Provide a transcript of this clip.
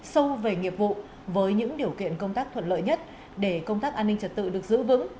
sâu về nghiệp vụ với những điều kiện công tác thuận lợi nhất để công tác an ninh trật tự được giữ vững